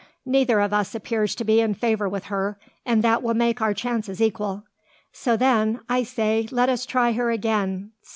Neither of us appears to be in favour with her, and that will make our chances equal. So then, I say, let us try her again.